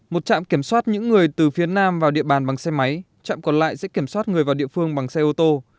một trạm kiểm soát những người từ phía nam vào địa bàn bằng xe máy trạm còn lại sẽ kiểm soát người vào địa phương bằng xe ô tô